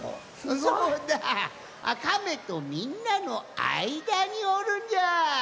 そうだカメとみんなのあいだにおるんじゃ！